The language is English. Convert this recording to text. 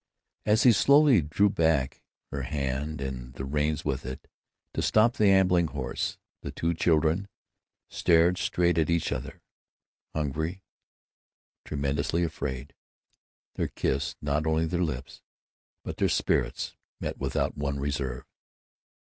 As he slowly drew back her hand and the reins with it, to stop the ambling horse, the two children stared straight at each other, hungry, tremulously afraid. Their kiss—not only their lips, but their spirits met without one reserve.